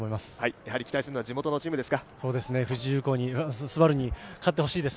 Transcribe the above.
やはり期待するのは地元のチームですか？